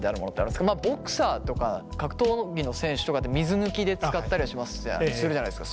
まあボクサーとか格闘技の選手とかで水抜きでつかったりするじゃないですか。